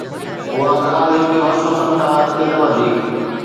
اھا ڳالھھ ھڪ وسوسن کان اڳتي نه وڌي